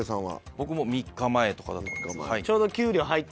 僕も３日前とかだと思います。